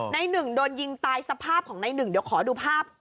ในหนึ่งโดนยิงตายสภาพของในหนึ่งเดี๋ยวขอดูภาพ